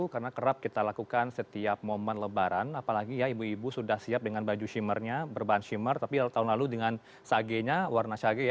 karena kerap kita lakukan setiap momen lebaran apalagi ya ibu ibu sudah siap dengan baju shimmernya berbahan shimmer tapi tahun lalu dengan sagenya warna sage ya